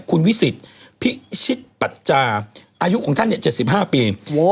คุณวิสิทธิ์พิชิตปัจจาอายุของท่านเนี่ยเจ็ดสิบห้าปี